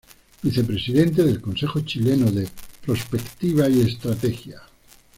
Vicepresidente del Consejo Chileno de Prospectiva y Estrategia.